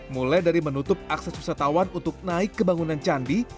mulai dari menutup akses wisatawan untuk naik ke bangunan candi